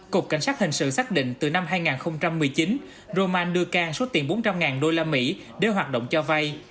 cục cảnh sát hình sự xác định từ năm hai nghìn một mươi chín roman đưa can số tiền bốn trăm linh usd để hoạt động cho vay